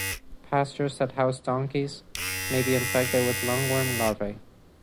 Pastures that housed donkeys may be infected with lungworm larvae.